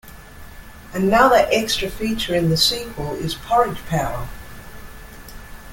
Another extra feature in the 'sequel' is "porridge power".